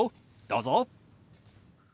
どうぞ。